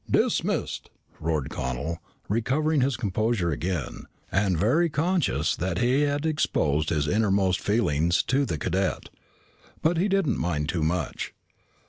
"Dismissed!" roared Connel, recovering his composure again, and very conscious that he had exposed his innermost feelings to the cadet. But he didn't mind too much.